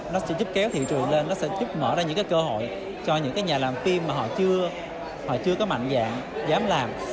nó sẽ giúp kéo thị trường lên nó sẽ giúp mở ra những cái cơ hội cho những cái nhà làm phim mà họ chưa có mạnh dạng dám làm